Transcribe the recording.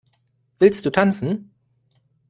Willst du tanzen?